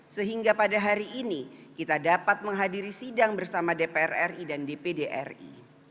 sehingga pada hari ini kita dapat menghadiri sidang bersama dpr ri dan dpd ri